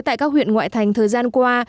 tại các huyện ngoại thành thời gian qua